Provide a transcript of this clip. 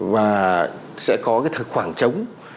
và sẽ có cái khoảng trống